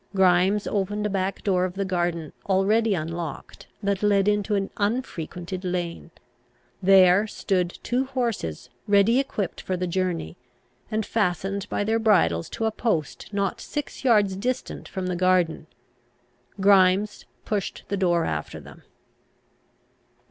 Grimes opened a back door of the garden already unlocked, that led into an unfrequented lane. There stood two horses ready equipped for the journey, and fastened by their bridles to a post not six yards distant from the garden. Grimes pushed the door after them.